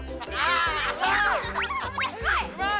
うまい！